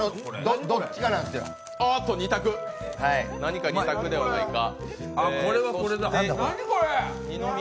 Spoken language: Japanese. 何か２択ではないか。